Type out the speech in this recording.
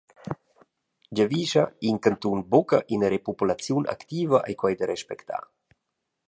Giavischa in cantun buca ina repopulaziun activa, ei quei da respectar.»